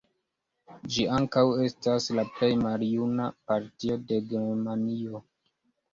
Ĝi ankaŭ estas la plej maljuna partio de Germanio.